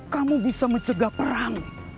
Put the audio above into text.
kamu bisa mencegah perang